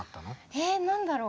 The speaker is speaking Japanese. え何だろう？